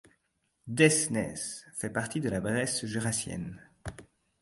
Desnes fait partie de la Bresse jurassienne.